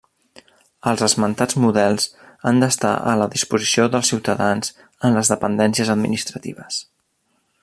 Els esmentats models han d’estar a la disposició dels ciutadans en les dependències administratives.